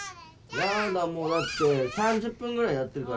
やだもうだって３０分ぐらいやってるから。